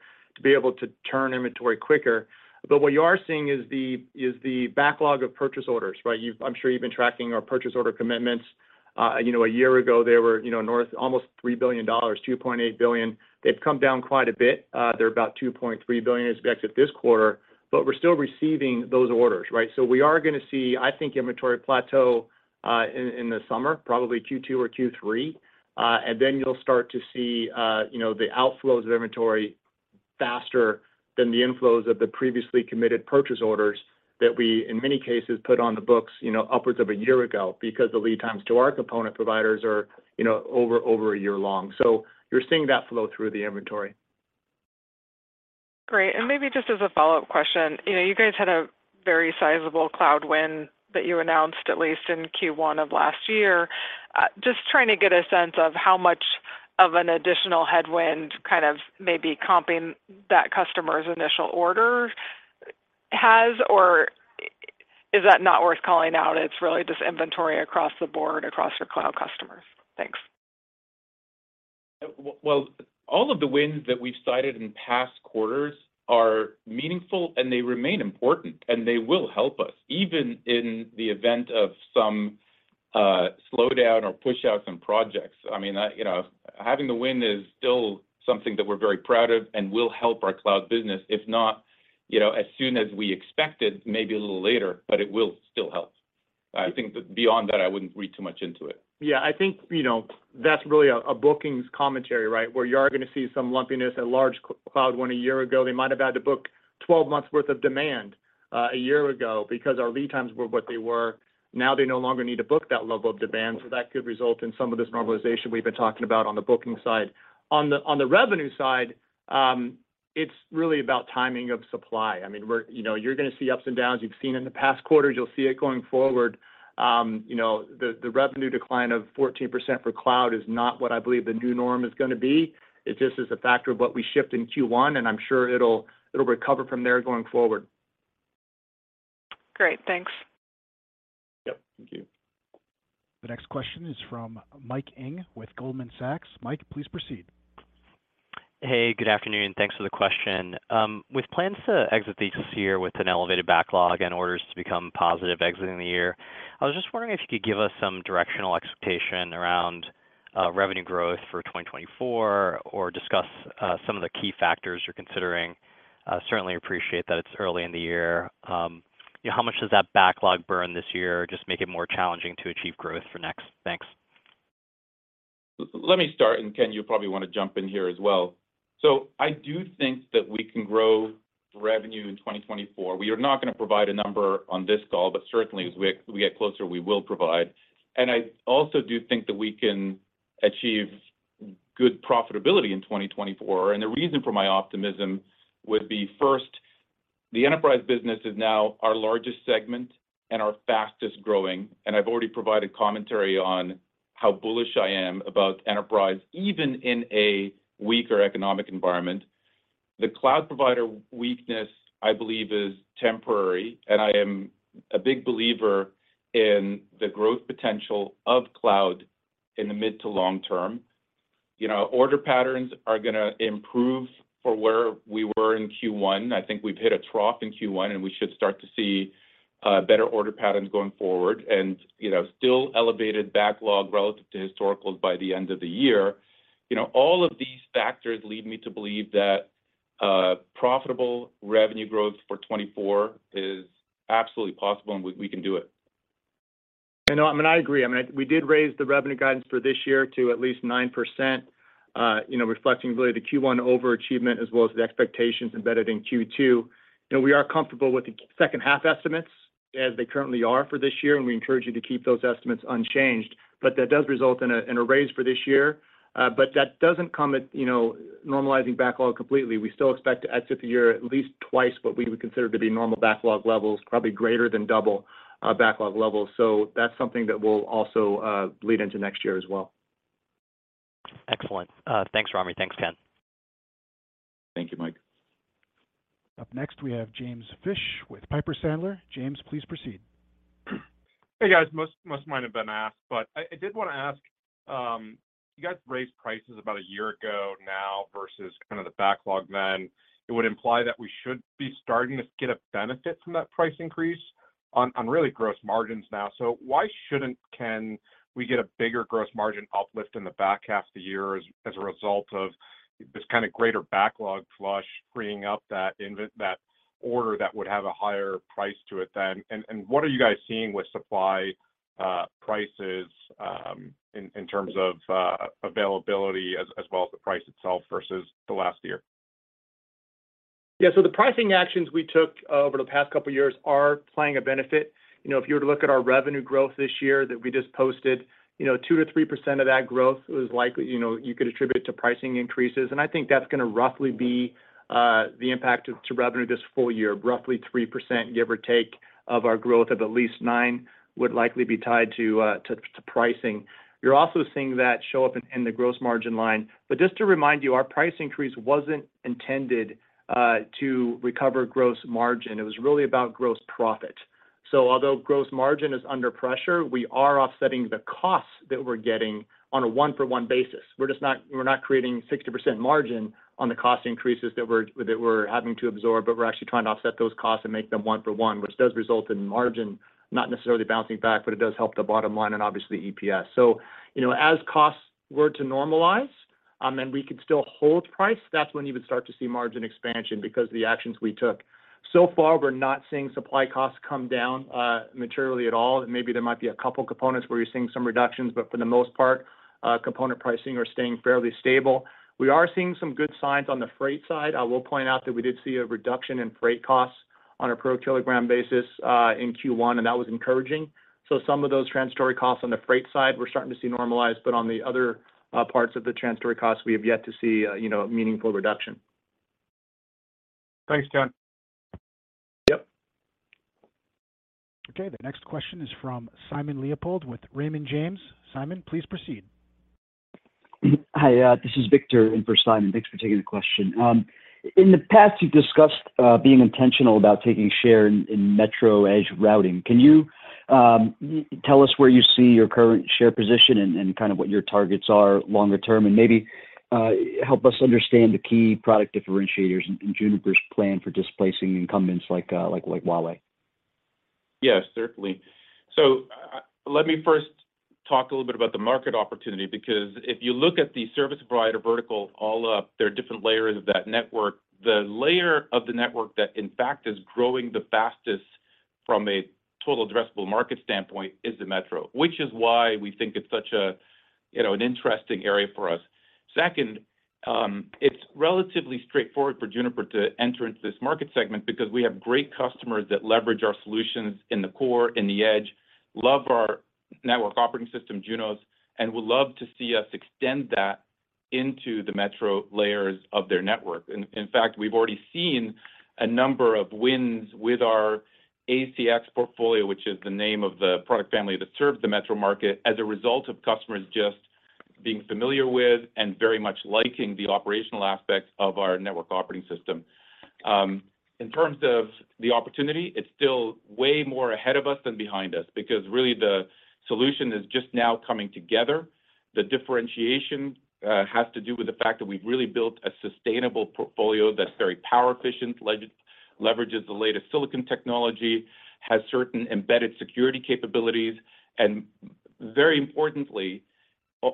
be able to turn inventory quicker. What you are seeing is the backlog of purchase orders, right? I'm sure you've been tracking our purchase order commitments. You know, a year ago they were, you know, almost $3 billion, $2.8 billion. They've come down quite a bit. They're about $2.3 billion as we exit this quarter, but we're still receiving those orders, right? We are gonna see, I think, inventory plateau in the summer, probably Q2 or Q3. Then you'll start to see, you know, the outflows of inventory faster than the inflows of the previously committed purchase orders that we, in many cases, put on the books, you know, upwards of a year ago because the lead times to our component providers are over a year long. You're seeing that flow through the inventory. Great. Maybe just as a follow-up question, you know, you guys had a very sizable cloud win that you announced at least in Q1 of last year. Just trying to get a sense of how much of an additional headwind kind of maybe comping that customer's initial order has or is that not worth calling out? It's really just inventory across the board, across your cloud customers. Thanks. All of the wins that we've cited in past quarters are meaningful. They remain important. They will help us even in the event of some slowdown or push out some projects. I mean, you know, having the win is still something that we're very proud of and will help our cloud business, if not, you know, as soon as we expected, maybe a little later. It will still help. I think that beyond that, I wouldn't read too much into it. Yeah. I think, you know, that's really a bookings commentary, right? Where you are gonna see some lumpiness. At large cloud one year ago, they might have had to book 12 months worth of demand, a year ago because our lead times were what they were. Now they no longer need to book that level of demand, so that could result in some of this normalization we've been talking about on the booking side. On the, on the revenue side, it's really about timing of supply. I mean, you know, you're gonna see ups and downs. You've seen in the past quarters, you'll see it going forward. You know, the revenue decline of 14% for cloud is not what I believe the new norm is gonna be. It just is a factor of what we shipped in Q1, and I'm sure it'll recover from there going forward. Great. Thanks. Yep. Thank you. The next question is from Mike Ng with Goldman Sachs. Mike, please proceed. Hey, good afternoon. Thanks for the question. With plans to exit this year with an elevated backlog and orders to become positive exiting the year, I was just wondering if you could give us some directional expectation around revenue growth for 2024 or discuss some of the key factors you're considering. Certainly appreciate that it's early in the year. How much does that backlog burn this year just make it more challenging to achieve growth for next? Thanks. Let me start, and Ken, you probably wanna jump in here as well. I do think that we can grow revenue in 2024. We are not gonna provide a number on this call, but certainly as we get closer, we will provide. I also do think that we can achieve good profitability in 2024, and the reason for my optimism would be, first, the enterprise business is now our largest segment and our fastest-growing. I've already provided commentary on how bullish I am about enterprise, even in a weaker economic environment. The cloud provider weakness, I believe, is temporary, and I am a big believer in the growth potential of cloud in the mid to long term. You know, order patterns are gonna improve for where we were in Q1. I think we've hit a trough in Q1, and we should start to see better order patterns going forward and, you know, still elevated backlog relative to historical by the end of the year. You know, all of these factors lead me to believe that profitable revenue growth for 2024 is absolutely possible, and we can do it. I know. I mean, I agree. I mean, we did raise the revenue guidance for this year to at least 9%, you know, reflecting really the Q1 overachievement as well as the expectations embedded in Q2. You know, we are comfortable with the second half estimates as they currently are for this year, and we encourage you to keep those estimates unchanged. That does result in a, in a raise for this year. but that doesn't come at, you know, normalizing backlog completely. We still expect to exit the year at least twice what we would consider to be normal backlog levels, probably greater than double backlog levels. That's something that will also lead into next year as well. Excellent. thanks, Rami. Thanks, Ken. Thank you, Mike. Up next, we have James Fish with Piper Sandler. James, please proceed. Hey, guys. Most might have been asked, but I did want to ask, you guys raised prices about a year ago now versus kind of the backlog then. It would imply that we should be starting to get a benefit from that price increase on really gross margins now. Why shouldn't Ken, we get a bigger gross margin uplift in the back half of the year as a result of this kind of greater backlog flush freeing up that order that would have a higher price to it then? What are you guys seeing with supply prices in terms of availability as well as the price itself versus the last year? Yeah. The pricing actions we took over the past couple of years are playing a benefit. If you were to look at our revenue growth this year that we just posted, 2% to 3% of that growth was likely you could attribute it to pricing increases. I think that's going to roughly be the impact to revenue this full year. Roughly 3%, give or take, of our growth of at least 9% would likely be tied to pricing. You're also seeing that show up in the gross margin line. Just to remind you, our price increase wasn't intended to recover gross margin. It was really about gross profit. Although gross margin is under pressure, we are offsetting the costs that we're getting on a one-for-one basis. We're not creating 60% margin on the cost increases that we're having to absorb, but we're actually trying to offset those costs and make them one for one, which does result in margin, not necessarily bouncing back, but it does help the bottom line and obviously EPS. You know, as costs were to normalize, and we could still hold price, that's when you would start to see margin expansion because of the actions we took. So far, we're not seeing supply costs come down, materially at all. Maybe there might be a couple components where you're seeing some reductions, but for the most part, component pricing are staying fairly stable. We are seeing some good signs on the freight side. I will point out that we did see a reduction in freight costs on a per kilogram basis in Q1. That was encouraging. Some of those transitory costs on the freight side, we're starting to see normalized. On the other parts of the transitory costs, we have yet to see a, you know, a meaningful reduction. Thanks, Ram. Yep. Okay. The next question is from Simon Leopold with Raymond James. Simon, please proceed. Hi. This is Victor in for Simon. Thanks for taking the question. In the past, you've discussed being intentional about taking share in metro edge routing. Can you tell us where you see your current share position and kind of what your targets are longer term, and maybe help us understand the key product differentiators in Juniper's plan for displacing incumbents like Huawei? Yes, certainly. Let me first talk a little bit about the market opportunity, because if you look at the service provider vertical all up, there are different layers of that network. The layer of the network that, in fact, is growing the fastest from a total addressable market standpoint is the metro, which is why we think it's such a, you know, an interesting area for us. Second, it's relatively straightforward for Juniper to enter into this market segment because we have great customers that leverage our solutions in the core, in the edge, love our network operating system, Junos, and would love to see us extend that into the metro layers of their network. In fact, we've already seen a number of wins with our ACX portfolio, which is the name of the product family that serves the metro market, as a result of customers just being familiar with and very much liking the operational aspects of our network operating system. In terms of the opportunity, it's still way more ahead of us than behind us because really the solution is just now coming together. The differentiation has to do with the fact that we've really built a sustainable portfolio that's very power efficient, leverages the latest silicon technology, has certain embedded security capabilities, and very importantly,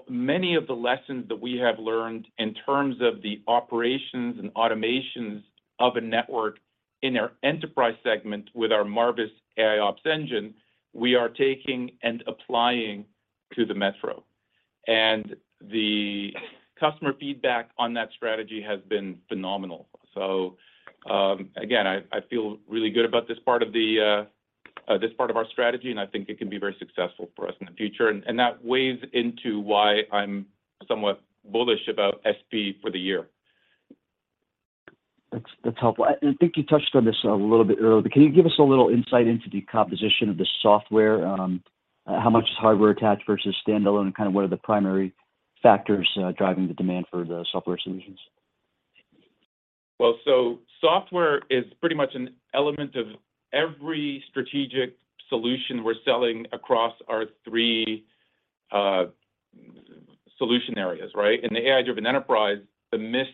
many of the lessons that we have learned in terms of the operations and automations of a network in our enterprise segment with our Marvis AIOps engine, we are taking and applying to the metro. The customer feedback on that strategy has been phenomenal. Again, I feel really good about this part of our strategy, and I think it can be very successful for us in the future. That weighs into why I'm somewhat bullish about SP for the year. That's helpful. I think you touched on this a little bit earlier, but can you give us a little insight into the composition of the software? How much is hardware attached versus standalone? Kind of what are the primary factors driving the demand for the software solutions? Well, software is pretty much an element of every strategic solution we're selling across our three solution areas, right? In the AI-Driven Enterprise, the Mist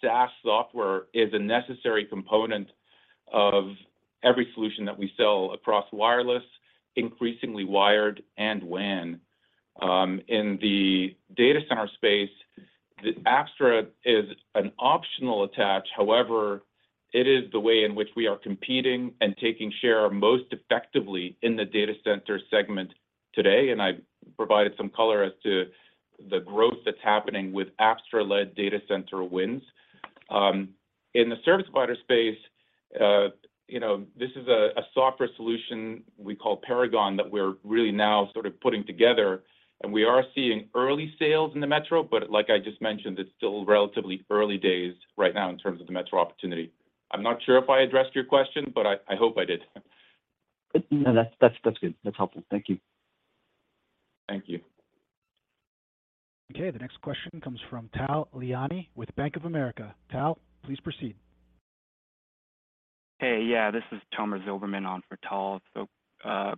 SaaS software is a necessary component of every solution that we sell across wireless, increasingly wired, and WAN. In the data center space, the Apstra is an optional attach. However, it is the way in which we are competing and taking share most effectively in the data center segment today, and I provided some color as to the growth that's happening with Apstra-led data center wins. In the service provider space, you know, this is a software solution we call Paragon that we're really now sort of putting together, and we are seeing early sales in the metro, but like I just mentioned, it's still relatively early days right now in terms of the metro opportunity. I'm not sure if I addressed your question, but I hope I did. No, that's good. That's helpful. Thank you. Thank you. Okay, the next question comes from Tal Liani with Bank of America. Tal, please proceed. Hey. Yeah, this is Tomer Zilberman on for Tal.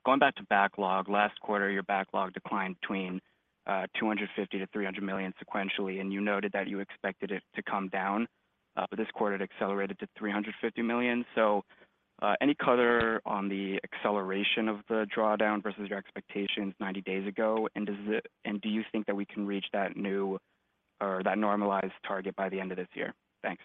Going back to backlog. Last quarter, your backlog declined between $250 million to $300 million sequentially, and you noted that you expected it to come down. This quarter it accelerated to $350 million. Any color on the acceleration of the drawdown versus your expectations 90 days ago? Do you think that we can reach that new or that normalized target by the end of this year? Thanks.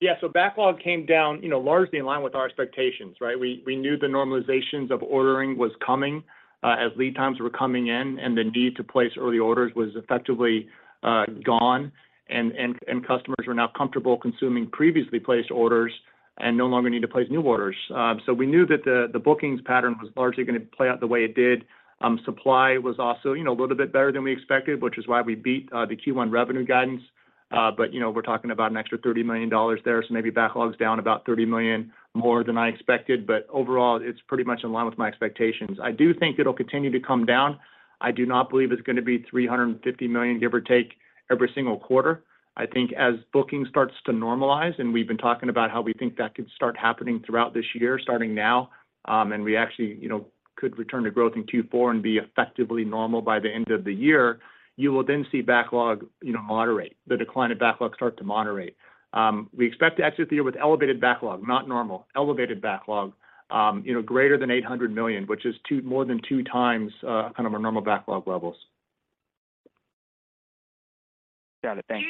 Yeah. Backlog came down, you know, largely in line with our expectations, right? We knew the normalizations of ordering was coming, as lead times were coming in, and the need to place early orders was effectively gone, and customers were now comfortable consuming previously placed orders and no longer need to place new orders. We knew that the bookings pattern was largely gonna play out the way it did. Supply was also, you know, a little bit better than we expected, which is why we beat the Q1 revenue guidance. You know, we're talking about an extra $30 million there, so maybe backlog's down about $30 million more than I expected. Overall it's pretty much in line with my expectations. I do think it'll continue to come down. I do not believe it's gonna be $350 million, give or take, every single quarter. I think as booking starts to normalize, we've been talking about how we think that could start happening throughout this year, starting now, and we actually, you know, could return to growth in Q4 and be effectively normal by the end of the year. You will then see backlog, you know, moderate. The decline of backlog start to moderate. We expect to exit the year with elevated backlog. Not normal, elevated backlog, you know, greater than $800 million, which is more than 2x, kind of our normal backlog levels. Got it. Thanks.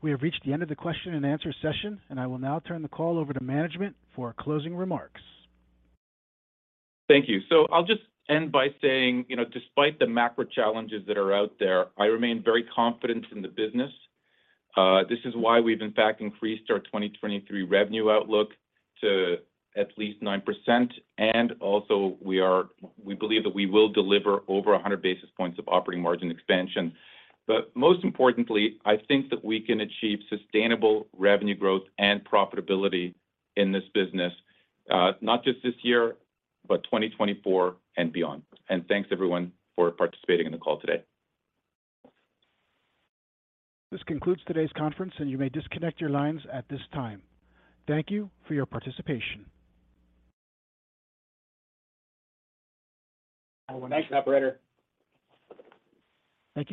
We have reached the end of the question and answer session, and I will now turn the call over to management for closing remarks. Thank you. I'll just end by saying, you know, despite the macro challenges that are out there, I remain very confident in the business. This is why we've in fact increased our 2023 revenue outlook to at least 9%. We believe that we will deliver over 100 basis points of operating margin expansion. Most importantly, I think that we can achieve sustainable revenue growth and profitability in this business, not just this year, but 2024 and beyond. Thanks everyone for participating in the call today. This concludes today's conference, and you may disconnect your lines at this time. Thank you for your participation. Thanks, operator. Thank you.